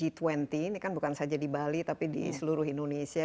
ini kan bukan saja di bali tapi di seluruh indonesia